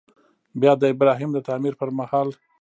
بیا د ابراهیم د تعمیر پر مهال.